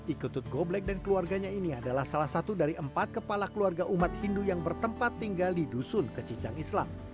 iketut goblek dan keluarganya ini adalah salah satu dari empat kepala keluarga umat hindu yang bertempat tinggal di dusun kecicang islam